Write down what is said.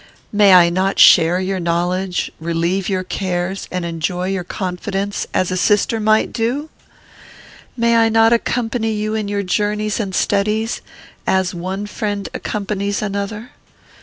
May I not share your knowledge, relieve your cares, and enjoy your confidence, as a sister might do? May I not accompany you in your journeys and studies, as one friend accompanies another?